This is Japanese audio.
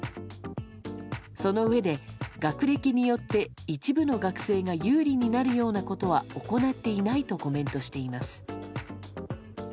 そのうえで学歴によって一部の学生が有利になるようなことは行っていないとコメントしています。